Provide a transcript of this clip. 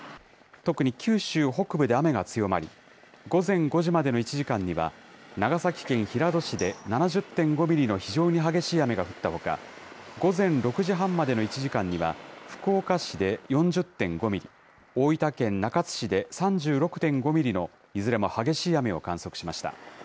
特に九州北部で雨が強まり、午前５時までの１時間には、長崎県平戸市で７０．５ミリの非常に激しい雨が降ったほか、午前６時半までの１時間には福岡市で４０．５ミリ、大分県中津市で３６．５ミリのいずれも激しい雨を観測しました。